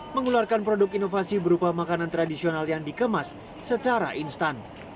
mengeluarkan produk inovasi berupa makanan tradisional yang dikemas secara instan